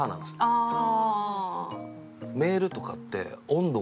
ああ。